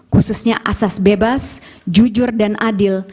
khususnya asas bebas jujur dan adil